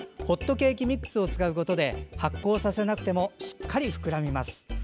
ホットケーキミックスを使うことで発酵させなくてもしっかり膨らみます。